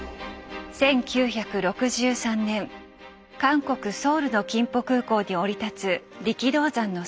１９６３年韓国ソウルの金浦空港に降り立つ力道山の姿。